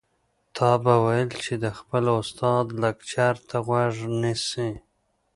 تا به ويل چې د خپل استاد لکچر ته غوږ نیسي.